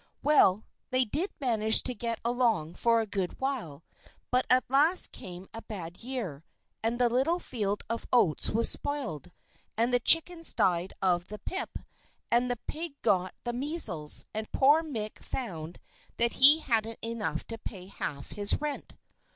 Well, they did manage to get along for a good while; but at last came a bad year, and the little field of oats was spoiled, and the chickens died of the pip, and the pig got the measles, and poor Mick found that he hadn't enough to pay half his rent.